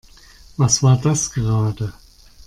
Was war das gerade?